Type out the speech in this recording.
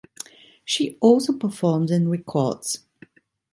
She also performs and records.